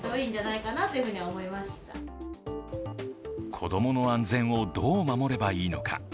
子供の安全をどう守ればいいのか。